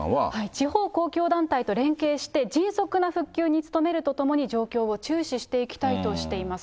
地方公共団体と連携して、迅速な復旧に努めるとともに状況を注視していきたいとしています。